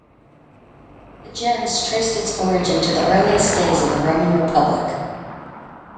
The gens traced its origin to the earliest days of the Roman Republic.